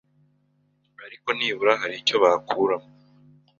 ariko nibura hari icyo bakuramo.